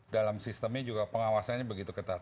dalam sistemnya juga pengawasannya begitu ketat